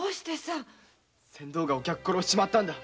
船頭が客を殺しちまったんだ